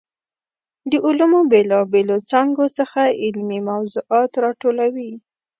د علومو بېلا بېلو څانګو څخه علمي موضوعات راټولوي.